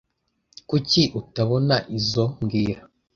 Kuki utabona izoi mbwira